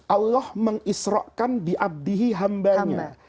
allah mengisrokan biabdihi hambanya